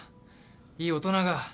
いい大人が。